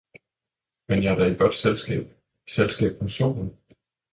»men jeg er da i godt Selskab, i Selskab med Solen!